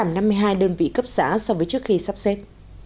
giảm năm mươi hai đơn vị cấp xã so với trước khi sắp xếp